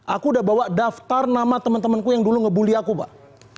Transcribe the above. aku udah bawa daftar nama teman temanku yang dulu ngebully aku pak